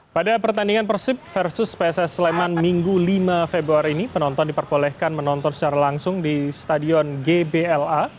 pada pertandingan persib versus pss sleman minggu lima februari ini penonton diperbolehkan menonton secara langsung di stadion gbla